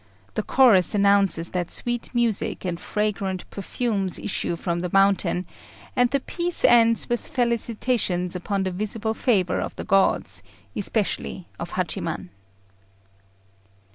The chorus announces that sweet music and fragrant perfumes issue from the mountain, and the piece ends with felicitations upon the visible favour of the gods, and especially of Hachiman.